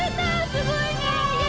すごいね。